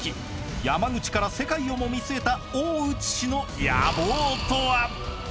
山口から世界をも見据えた大内氏の野望とは！